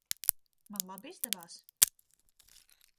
Man labi izdevās?